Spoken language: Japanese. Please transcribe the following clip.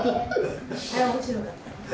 あれ面白かった。